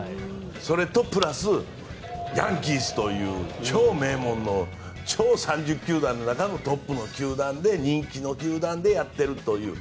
それとプラスヤンキースという超名門の３０球団の中のトップの球団人気の球団でやっているという。